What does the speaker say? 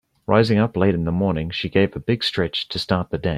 Rising up late in the morning she gave a big stretch to start the day.